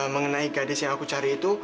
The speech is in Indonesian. mengenai gadis yang aku cari itu